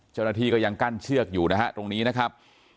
เจ้าหน้าที่ก็ยังกั้นเชือกอยู่นะฮะตรงนี้นะครับ